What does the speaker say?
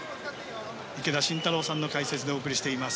池田信太郎さんの解説でお送りしています。